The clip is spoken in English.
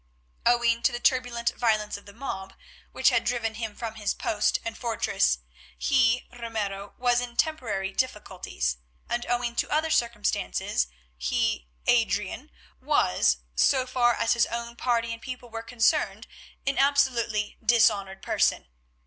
Owing to the turbulent violence of the mob, which had driven him from his post and fortress, he, Ramiro, was in temporary difficulties, and owing to other circumstances, he, Adrian, was, so far as his own party and people were concerned, an absolutely dishonoured person.